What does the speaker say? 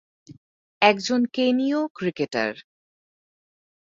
একজন কেনীয় ক্রিকেটার।